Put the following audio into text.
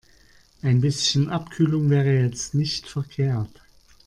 Ein bisschen Abkühlung wäre jetzt nicht verkehrt.